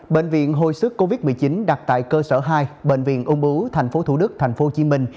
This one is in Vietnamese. bệnh viện hồi sức covid một mươi chín đặt tại cơ sở hai bệnh viện ung bưu thành phố thủ đức thành phố hồ chí minh